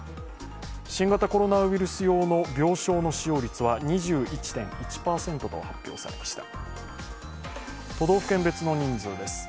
新型コロナウイルス用病床の使用率は２１．１％と発表されました。